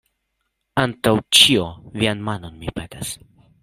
Antaŭ ĉio, vian manon, mi, petas.